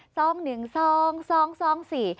สองหนึ่งสองสองสี่